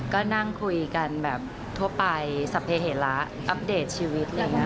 ก็นั่งคุยกันแบบทั่วไปสัมเทศละอัปเดตชีวิตเลยค่ะ